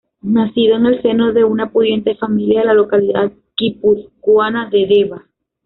Nacido en el seno de una pudiente familia de la localidad guipuzcoana de Deva.